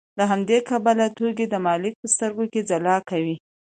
له همدې کبله توکي د مالک په سترګو کې ځلا کوي